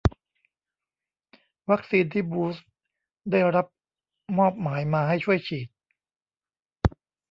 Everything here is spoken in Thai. วัคซีนที่บูตส์ได้รับมอบหมายมาให้ช่วยฉีด